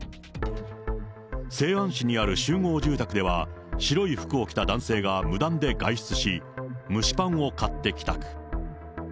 西安市にある集合住宅では、白い服を着た男性が無断で外出し、蒸しパンを買って帰宅。